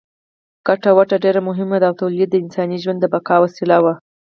ګټه وټه ډېره مهمه ده او تولید د انساني ژوند د بقا وسیله ده.